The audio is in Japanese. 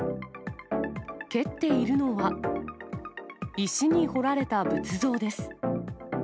蹴っているのは、石に彫られた仏像です。